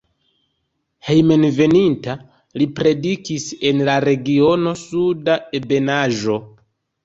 Hejmenveninta li predikis en la regiono Suda Ebenaĵo.